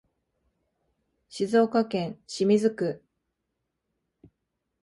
静岡市清水区